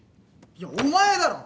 いやお前だろ